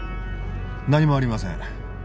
何もありません。